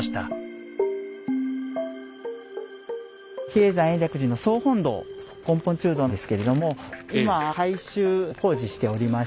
比叡山延暦寺の総本堂「根本中堂」ですけれども今改修工事しておりまして。